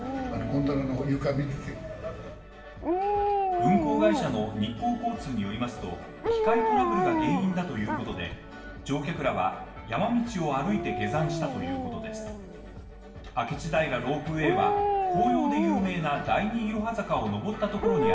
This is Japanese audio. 運行会社の日光交通によりますと、機械トラブルが原因だということで、乗客らは山道を歩いて下山したということです。